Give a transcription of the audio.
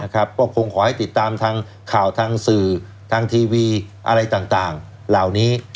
ก็คงขอให้ติดตามทางข่าวทางสื่อทางทีวีอะไรต่างเหล่านี้